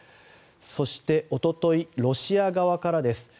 そして、おとといロシア側からです。